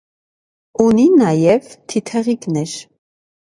Ունի նաև թիթեղիկներ։